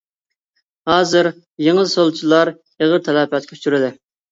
ھازىر يېڭى سولچىلار ئېغىر تالاپەتكە ئۇچرىدى.